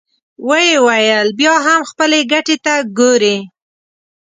ويې ويل: بيا هم خپلې ګټې ته ګورې!